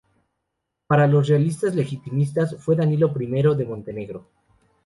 Para los realistas legitimistas fue Danilo I de Montenegro.